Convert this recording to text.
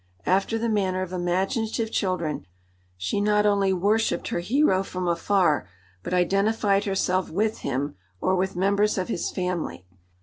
After the manner of imaginative children, she not only worshipped her hero from afar, but identified herself with him or with members of his family.